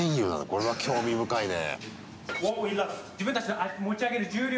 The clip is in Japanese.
これは興味深いね。